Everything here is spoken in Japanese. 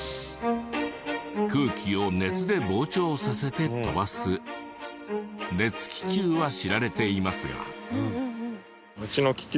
空気を熱で膨張させて飛ばす熱気球は知られていますが。